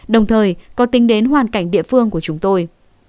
đồng thời có tính đến hoàn cảnh địa phương của chúng tôi